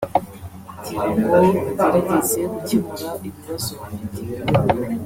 kugirango bagerageze gukemura ibibazo bafite